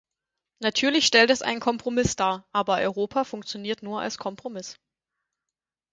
Natürlich stellt es einen Kompromiss dar, aber Europa funktioniert nur als Kompromiss.